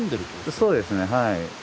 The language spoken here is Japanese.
そうですねはい。